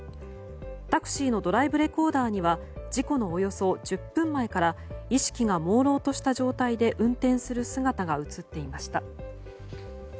タクシーのドライブレコーダーには事故のおよそ１０分前から意識がもうろうとした状態で運転する姿が映っていました。